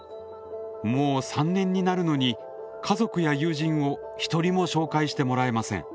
もう３年になるのに家族や友人を一人も紹介してもらえません。